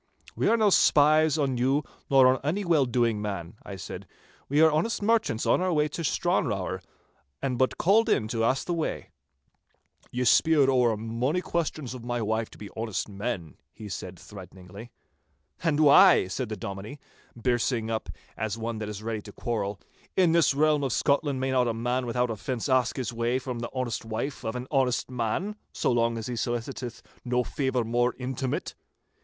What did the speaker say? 'We are no spies on you nor on any well doing man,' I said. 'We are honest merchants on our way to Stranrawer, and but called in to ask the way.' 'Ye speered ower mony questions of my wife to be honest men,' he said threateningly. 'And why,' said the Dominie, birsing up as one that is ready to quarrel, 'in this realm of Scotland may not a man without offence ask his way, from the honest wife of an honest man, so long as he soliciteth no favour more intimate?